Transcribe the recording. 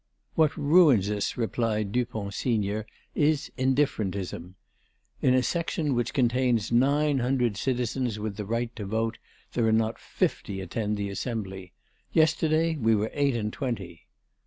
"What ruins us," replied Dupont senior, "is indifferentism. In a Section which contains nine hundred citizens with the right to vote there are not fifty attend the assembly. Yesterday we were eight and twenty."